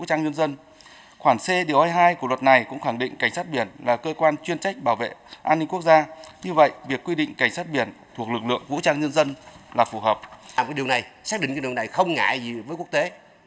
cái điều này xác định cái điều này không ngại gì với quốc tế